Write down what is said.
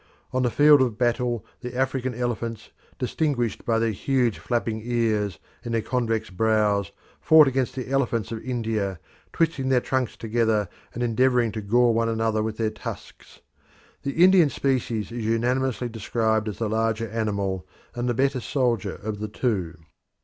On the field of battle the African elephants, distinguished by their huge, flapping ears and their convex brows, fought against the elephants of India, twisting their trunks together and endeavouring to gore one another with their tusks. The Indian species is unanimously described as the larger animal and the better soldier of the two.